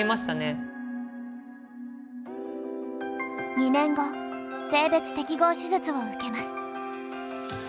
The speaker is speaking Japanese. ２年後性別適合手術を受けます。